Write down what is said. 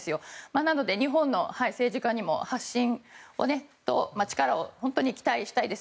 なので日本の政治家にも発信と力を、本当に期待したいです。